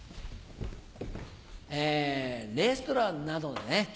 えレストランなどでね